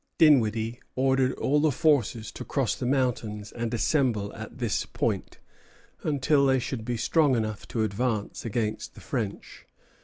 Dinwiddie ordered all the forces to cross the mountains and assemble at this point, until they should be strong enough to advance against the French.